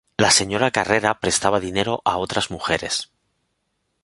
La señora Carrera prestaba dinero a otras mujeres.